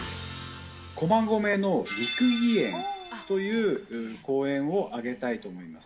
駒込の六義園という公園を挙げたいと思います。